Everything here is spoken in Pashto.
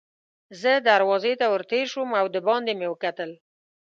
زه دروازې ته ور تېر شوم او دباندې مې وکتل.